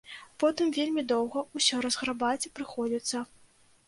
Потым вельмі доўга ўсё разграбаць прыходзіцца.